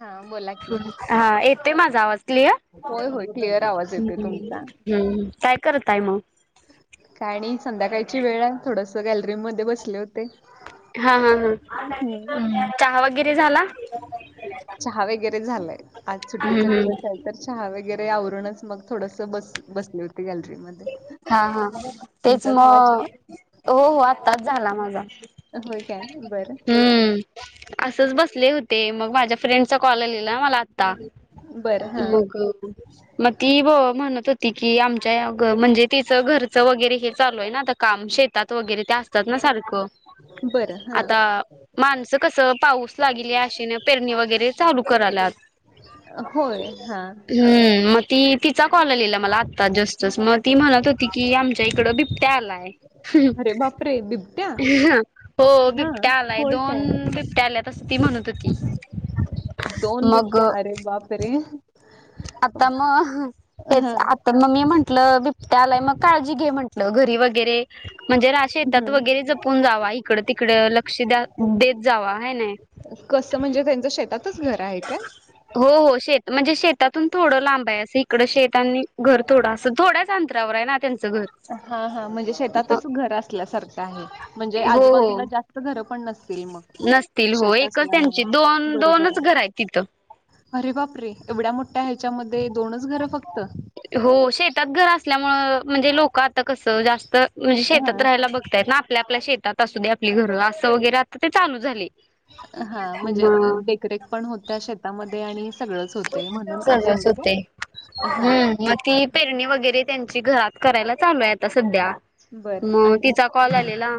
हा बोला की हा येतय माझा आवाज क्लिअर. होय होय क्लिअर आवाज येतोय तुमचा ह्म्म्म... काय करताय मग. काय नाही.. संध्याकाळची वेळ आहे थोडस गॅलरी मध्ये बसले होते. हा हा हम्म हा चहा वगैरे झाला.. चहा वगैरे झालाय आज सुट्टीचा हम्मम्.. दिवस आहे तर चहा वगैरे आवरूनच मग थोडस बस-बसली होती गॅलरीमध्ये. हा हा तेच मग हो हो आताच झाला माझा.. होय काय बरं हम्म असच बसले होते. ते मग माझ्या फ्रेंड चा कॉलली मला आता बरं हा मग मग ती ब म्हणत होती की आमच्या म्हणजे तिचं घरचं वगैरे हे चालू आहे ना आता काम शेतात वगैरे ते असतात ना सारखं बरं आता हा माणसं कस पाऊस लागल आशेन पेरणी वगैरे चालू कराल्यात होय हा हम्म मग ती तिचा कॉल लिहिला मला आत्ता जस् जस मग ती म्हणत होती की आम तड बिबट्या आलाय अरे बापरे बिबट्या हो हा बिबट्या आलाय होय दोन काय बिबट्या आल्या त ती म्हणत होती दोन मग बिबट्या अरे वापरे आता मग हेच हा आता मम्मी म्हणते लं बिबट्यालाय मग काळजी घे म्हटलं घरी वगैरे म्हणजे शेतात वगरे हम्म जपून जा इकड तिकडे लक्ष देत कसं म्हणजे त्यांचं शेतातच घर आहे काय श म्हणजे थोडं लांब आहे इकड शेेतनी घर थोडं असं थोडं संत्रावर आहे घर. हा हा म्हणजे हो शेतातच घर असल्यासारखं आहे म्हणजे हो आजूबाजूला जास्त घरं पण नस नसतील हो एकच त्यांची दोन बरोबर दोनच आहे घर आहेत तिथं अरे बाप रे एवढ्या मोठ्या ह्याच्यामध्ये दोनच घरं फक्त हो शेतात घर असल्यामु म्हणजे लोक आता कसं जास्त म्हणजे शेतात हा राहायला बघतायत ना आपल्या आपल्या शेतात. आ आपली घरं असं वगैरे आता ते चालू झाले. हा म्हणजे मग देखरेख पण होत्या शेतामध्ये. आणि ते. सगळ च होते. हा हम्म मग ती पेरणी वगैरे त्यांची. घरात करायला चालू आहे आता सध्या. बर मग आणि तिचा कॉल आलेला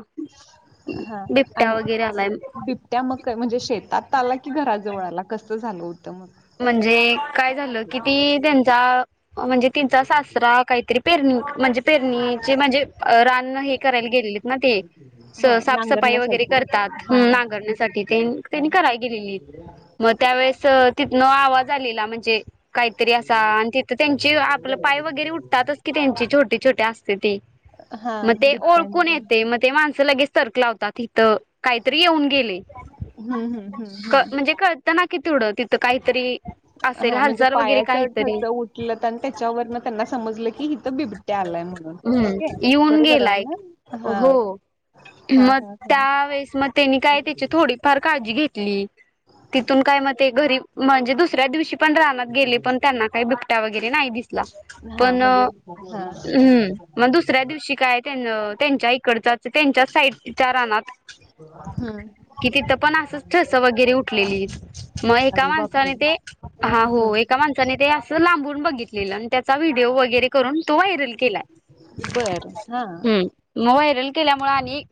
हा बिबट्या आणि वगैरे आलाय बिबट्या मक म्हणजे शेतात आला कि घराजवळ आला. कसं झालं होतं. मग म्हणजे काय झालं की ती त्यांचा म्हणजे तेंचा सासरा काहीतरी. पेरणी. म्हणजे पेरणीचे म्हणजे रान हे करायला गेलेलेत ना ते हा साफसफाई वगैरे नांगरण्यासाठी करतात हा हा नांगरण्यासाठी हा त्यांनी करायला गेलेली मग त्यावेेळेस. तिथन आवाज आलेला म्हणजे काहीतरी असा आणि तिथं त्यांची आपलं पाय वगैरे उठतातच की त्यांची छोटी. छोटे अस. हा मग ते ओळखून बिबट्यांचं येते मग ते माणसं लगेच. त र्क लावता त. तर काहीतरी येऊन गेले हम्म हम्म हम्म हम्म म्हणजे कळतं ना. किती. काहीतरी असेल हा म्हणजे हलचाल वगैरे पायाचं काहीतरी ठस उठलं आणि त्याच्यावरन त्यांना समजलं की हिथं बिबट्या आलाय म्हणून ओके येऊन बरोबर आहे गेलाय ना हा हो हा मग हा हा त्यावेेळेस मग त्यांनी काय त्याची थोडी फार काळजी घेतली तिथून काय म. ते घ री. म्हणजे दुसऱ्या दिवशी. पण रानात गेली पण त्यांना काही ब. वगैर ना हा पण् म्हणजे हा मग दुसऱ्या दिवशी काय त्यांच्या इकड त्यांच्याच साईडच्या रानात हम्म कि तिथ पण अस ठस वगैरे उठलेली मग. एका अरे बापरे माणसाने ते हा हम्म हो एका माणसाने ते अस. लांबून बघितलेलं आणि त्याचा व्हिडिओ वगैरे करून. तो व्हायरल केलाय बर हा मग वायरल केल्यावर. मु आणि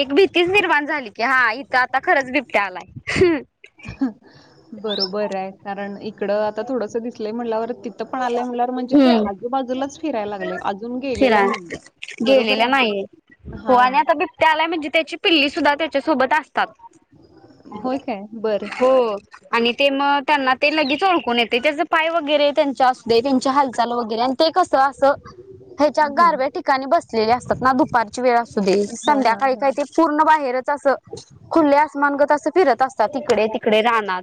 एक भीतीच निर्माण झाली की हा इथ आता खरच बिबट्या आलाय. [inaudible] बरोबर आहे कारण इकडं आता थोडंस दिसलंय म्हटलंवर तिथ. पण आलं म्हणजे ते हम्म आजूबाजूलाच फिरायला लागले अजून गेलेला फिराय नाहीे बरोबर गेलेल्या नाहीये. आहे हो हा.. आणि आता बिबट्या आलाय म्हणजे त्याची पिल्ली सुद्धा त्याच्यासोबत अस. होय काय बर हो आणि ते मग त्यांना ते लगेच ओळखून येत. त्याच्याच पाय वगैरे त्यां. [unintelligible] त्यांच्या हालचाल वगैरे आणि ते कस असं ह्याच्या हा गारव्या ठिकाणी बसलेले असतात ना दुपारची वेळ असू दे हा हा संध्याकाळी काही ते हा पूर्ण बाहेरच असं खुले आमानगत अस फिरत असतात तिकडे तिकडे राहना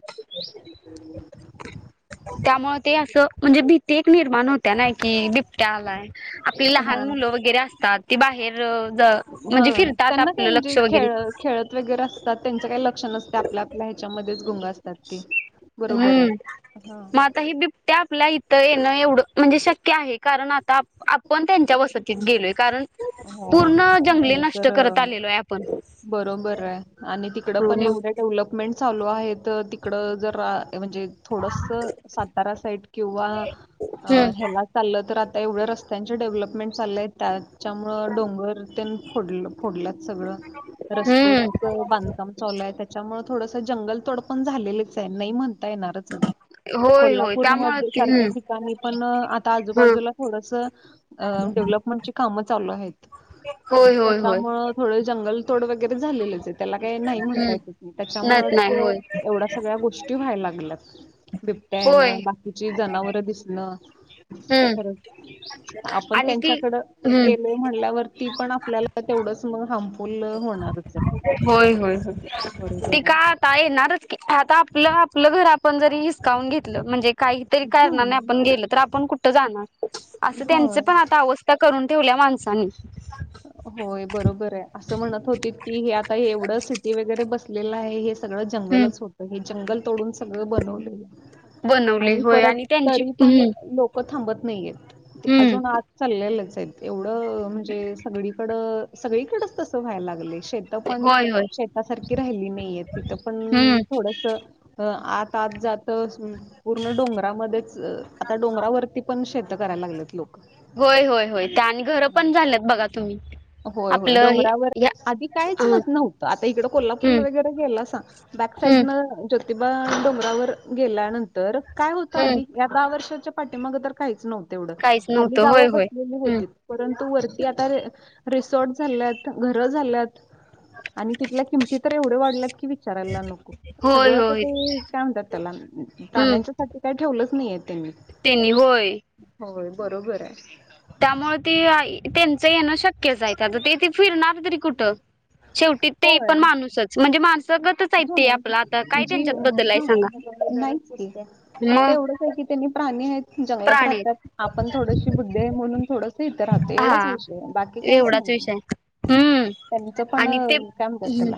त्यामुळे ते असं म्हणजे भीती एक निर्माण होते. क नाही कि बिबट्या आलाय आपली लहान हा मुलं वगैरे असतात, ती बाहेर अ ज म्हणजे हां, फिरतात त्यांना काय आपलं म्हणजे लक्ष वगैरे. खेळ खेळत वगैरे असतात, त्यांचं काही लक्ष आपल्या आपल्या ह्याच्यामध्येच. गुंग आ हम्म हां, म आता ही बिबट्या. आपला इथं येणं एवढं म्हणजे शक्य आहे, कारण आता आपण त्यांच्या वसतीत गेलोय कारण. पूर्ण होय जंगली हे नष्ट तर करत आलेलो आहे आपण बरोबर आहे, आणि तिकडं पण हम्म एवढ्या डेव्हलपमेंट. चालू आहेत तिकडं जरा. म्हणजे थोडस सातारा साईट किंवा ह्याला चाललं तर. आता एवढ्या रस्त्यांचे डेव्हलपमेंट चालले आहेत त्यात. त्यामुळे डोंगर त्या फड फोडल्यात सगळं रस्त हम्म बांधकाम चालू त्याच्यामुळ. थोडस जंगलतोड पण झालेलेच आहे नाही म्हण म्हणता येणारच नाही होय होय कोल्हापूर म त्यामुळे सारख्या हम्म ठिकाणी पण आता ह आजूबाजूला थोडस डेव्हलपमेंटची. काम चालू आहेत होय होय होय त्याच्यामुळ थोड जंगल. तोड वगैरे झालेले आहेत. त्याला काही नाही म्हणता हम्म येतच मी नत त्याच्यामुळेच नाही होय एवढ्या सगळ्या गोष्टी व्हायला लागल्यात. बिबट्या होय येणं बाकीची जनावरं दिसणं. हम्म आणि ती. हम्म गेले म्हणल्यावरती पण आपल्याला तेवढंच मग. हार्मफुल होणारच आहे होय होय होय ते बरोबर का आहे आता येणारच की आता आपलं. आपलं घर आपण जरी हिसकावून घेतलं म्हणजे. काहीतरी कारणा नाही हम्म आपण गेल तर आपण कुठ. कुठ जाणार. असं त्यांच होय पण आता अवस्था. करून ठेवल्या माणसांनी. होय बरोबर आहे, असं म्हणत होती की, हे आता एवढं सिटी वगैरे बसलेलं आहे हे. सगळ हम्म जंगलच होत हे. जंगल तोडून सगळं बनवलेय. बनवले आणि होय परत त्यांची तरी पण हम्म लोक थांबत नाहीयेत ते अजून हम्म आज चाललेलच. ते तेवढे. अ म्हणजे. सगळीकडेच तस व्हाय लागल शेत पण होय होय शेतासारखी राहिली नाहीय तिथ पण हम्म थोडस आ तात जातो पूर्ण डोंगरामध्येच आता डोंगरावरती पण शेत करायला लागत लोक होय होय होय आणि घर पण झालं होय होय डोंगरावर या आधी कायच हं नव्हतं आता इकड हम्म कोल्हापूरला वगरे गेला सांग बॅक साईड हम्म न प्रतिबा आणि डोंगरावर गेल्यानंतर काय होतं हम्म आधी या दहा वर्षाच्या पाठीमागे तर काहीच नव्हत तेवढ काहीच खाली नव्हतं गाव होय होय बसलेली हम्म होती परंतु वरती तर रिसॉर्ट झाल्यात घर झाल्यात आणि तिथल्या किमती तर एवढे वाढल्यात की विचारायला नको होय सगळं तर होय ते काय म्हणतात त्याला हम्म ताण्यांच्या साठी काय ठेवलंच नाही त्या म त्यांनी होय होय बरोबर हाय त्यामुळे ती आ त्यांचं येण शक तेच हाय तेथे फिरणार ते तर कुठं शेवटी ते पण माणूसच म्हणजे माणूस ह जी बद्दल आहे ह सांगा नाहीच की फक्त मग एवढच आहे की त्यांनी प्राणी आहेत जंगलात प्राणी राहतात आहेत आपण थोडशी बुद्धी आहे म्हणून थोडस इथे राहत एवढाच हा विषय बाकी काहीच एवढाच नाही विषय हम्म त्यांच पण आणि ते काय म्हणतात त्याला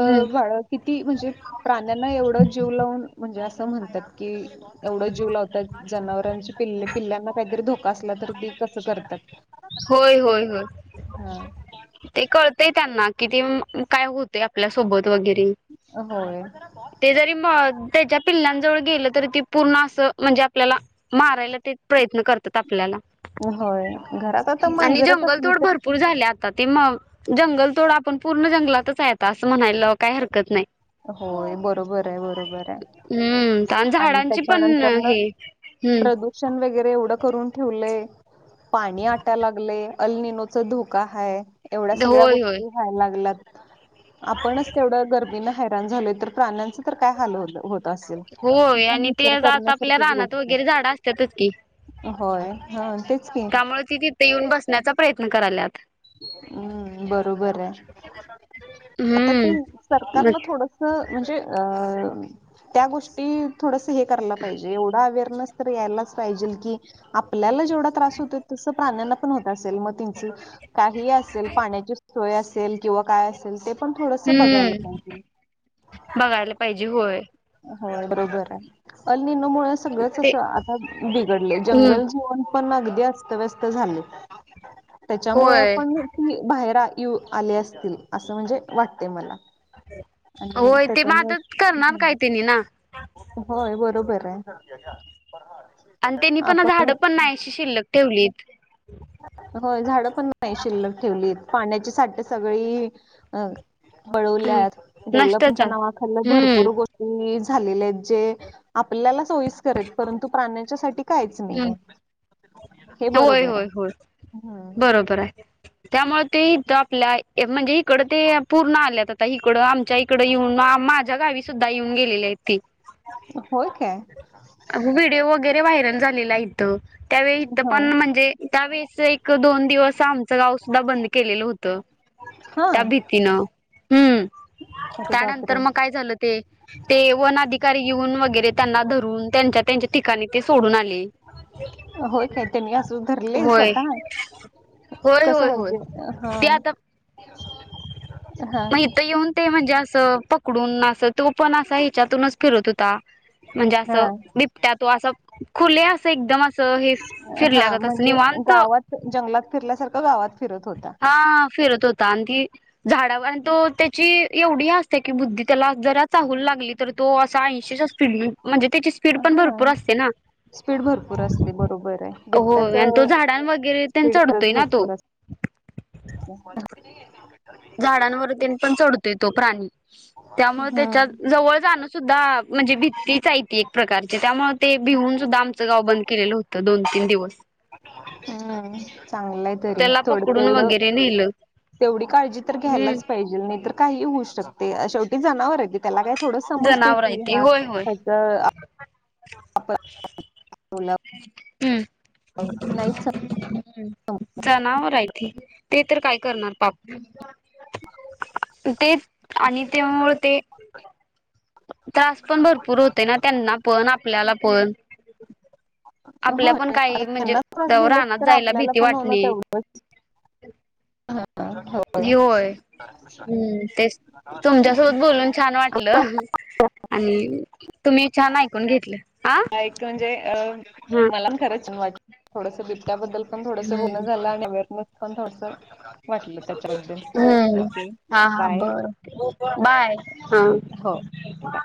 हम्म किती म्हणजे प्राण्याना एवढ जीव लावून म्ह जे असं म्हणतात की एवढं जीव लावतात जनावरांची पिल् पिल्ल्यांना काहीतरी धोका असला तररी ते कसं करतात होय होय होय हा ते कळतय त्यांना कि ते हम काय होत आपल्यासोबत वगैरे होय ते जरी म त्याच्या पिल्लांजवळ गेलं तरी ते पूर्ण अस म्हणजे आपल्याला मारायला ते प्रयत्न करत आपल्याला होय घरात आता आणि मांजरच जंगल असली तोड तर भरपूर झाले आता ते मग जंगल तोड आपण पूर्ण जंगलातच हाय असं म्हणायला काही हरकत नाही होय बरोबर आहे बरोबर आहे हम्म आणि झाडांची पण त्याच्यानंतर न हे हम्म प्रदूषण वेग वगैरे एवढं करून ठेवले पाणी आटाय लागलेय अल्निनोचा धोका ह एवढ्या सगळ्या होय होय गोष्टी व्हायला लागलात आपणच तेवढं गरमीन घाण झाल तर प्राण्यांच तर काय हाल होत होत असेल ही होय पण आणि ते विचार आता आपल्या करण्यासारखीच रानात गोष्ट वगैरे झाड असतातच की आहे होय हा तेच की त्यामुळे तिथे येऊन बसण्याचा प्रयत्न करायलात हम् बरोबर आहे आता ते हम्म मग सरकारला थोडस म्हणजे अ ह त्या गोष्टी थोडस हे करायला पाहिजे एवढ अवरनेस यायलाच पाहिजे की आपल्या तेवढा त्रास होतोय तस प्राण्याला पण होत असेल म तंचं ही असेल पाण्याची सोय असेल किंवा काय असेल ते. पण थोडस बघायला हम्म पाहिजे. बघायला पाहिजे होय. हो बरोबर आहे अल् निनो मु सगळंच ते अस आता बिघडलेय हम्म जंगल जीवन पण अगदी असतव्यस्त झाली त्याच्यामुळ होय पण ती बाहेर आले असतील असं म्हणजे वाटते मला आणि होय ते मदत करणार त्याच्यामुळे काही होय बरोबर आहे. आणि त्यांनी पण आपण झाडं पण नाही अशी शिल्लक ठेवलीत. हो झाड पण नाही शिल्लक ठेवलीत. पाण्याची साठ सगळी अं. पळवल्या नष्टच डेव्हलपच्या नावाखाल आहे भरपूर हम्म गोष्टी झालेले आहेत. जे आपल्याला. [inaudible] परंतु प्राण्याच्यासाठी काहीच नाहीआय हे होय बरोबर आहे. होय होय हम्म बरोबर आहे. त्यामुळे ते इथ आपल्या म्हणजे इकड ते पूर्ण आल्यात आता. इकडं आमच्या इकडं येऊन माझ्या गावी सुद्धा येऊन गेलेली आहेत ती. होय काय? व्हिडिओ वगैरे व्हायरल झालेला आहे त्यावेळी इथ हा पण म्हणजे, त्यावेळे एक दोन दिवस आमचं गाव सुद्धा बंद केलेलं होत, हा त्या भीतीनं. हम् अरे त्यानंतर बापरे मग काय झालं ते, ते वन अधिकारी येऊन वगैरे त्यांना धरून त्यांचा त्यां ठिकाणी ते सोडून आले. होय काय त्यांनी असं धरले होय स्वतः होय कसं होय होय म्हणजे हा ते आता हा मग इथ येऊन ते म्हणजे अस पकडून अस तो पण असा ह्याच्यातूनच फिरत होता. म्हणजे हा असं. बिबट्या तो असं खुले असं एकदम असं हे हा फिरल्यागत असं म्हणजे निवांत गावात जंगलात फिरल्यासारखं गावात फिरत होता. हा हा फिरत होता. त झाडावर तो त्याची एवढी असते की बुद्धी त्याला जरा चाहूल लागली तर, तो असा ऐंशी च्या स्पीड न म्हणजे त्या हा स्पीड भरपूर असते बरोबर आहे. बिबट्याच होय आणि तो झाडां वगैरे त्यां स्पीड खरंच चढतोय ना तो भरपूर असते. [inaudible] ते तो प्राणी त्यामुळे त्याच्या हम्म जवळ जाणं सुद्धा म्हणजे भी तीचा एक प्रकारचे त्यामुळे ते भिऊून सुद्धा आम गाव बंद केलेलं होत, दोन तीन दिवस. हम्म. चांगलंय तरी. त्याला थोडं पकडून तेवढं वगैरे नेलं तेवढी काळजी तर घ्यायलाच हम्म पाहिजे नाही तर काही होऊ शकते. शेवटी जनावर अ त्याला काय थोडं समजते जनावर आहे की ते हा होय होय त्याच हम्म. नाहीच जनावर आहे ते. तर काय करणार पाप. ते आणि त्यामु ते. त्रास पण भरपूर होतय ना त्यांना पण, आपल्याला पण. हो आपल्या पण काही म्हणजे त्यांनाच त्रास दिला रानात तर, जायला आपल्याला भीती पण होन वाटणे तेवढंच होय हम्म. तेच तुमच्यासोबत बोलून छान वाटलं आणि तुम्ही छान ऐकून घेतल. ऐक म्हणजे अ मला पण खरंच छान वाटल थोडंस बिबट्याबद्दल पण थोडंस बोलणं हम्म झालं आणि [unintelligible] [unintelligible] त्याच्याबद्दल. हम्म ओके हा हा बाय बर बाय. हो हा. बाय.